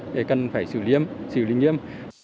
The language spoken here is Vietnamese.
thì cần phải xử lý nghiêm